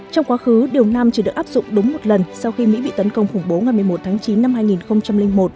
trong quá khứ điều năm chỉ được áp dụng đúng một lần sau khi mỹ bị tấn công khủng bố ngày một mươi một tháng chín năm hai nghìn một